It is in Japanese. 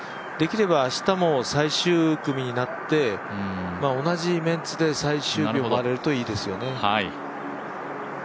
できれば明日も最終組になって同じメンツで最終日も回れるといいですよね。